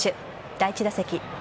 第１打席。